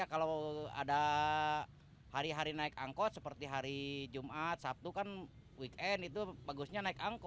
kalau ada hari hari naik angkot seperti hari jumat sabtu kan weekend itu bagusnya naik angkot